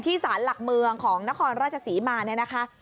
สารหลักเมืองของนครราชศรีมาเนี่ยนะคะ